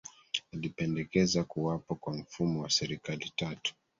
Alipendekeza kuwapo kwa mfumo wa Serikali tatu